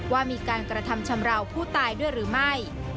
ว่ามีการกระทำชำราวผู้ตายด้วยหรือไม่